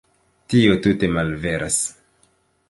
Tio tute malveras.